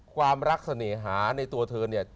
ความรักเสน่หาในตัวเธอเนี่ย